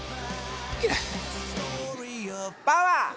パワー。